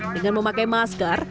dengan memakai masker